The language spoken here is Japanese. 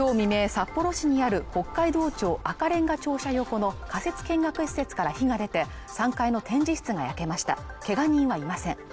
札幌市にある北海道庁赤れんが庁舎横の仮設見学施設から火が出て３階の展示室が焼けましたけが人はいません